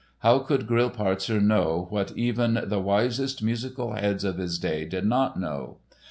How could Grillparzer know what even the wisest musical heads of his day did not know?